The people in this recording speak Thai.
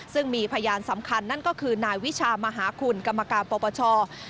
ซึ่งมีพยานสำคัญนั่นก็คือนายวิชามหาคุณกรรมการปปช